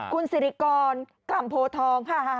คุณสิริกรกล่ำโพทองฮ่าฮ่า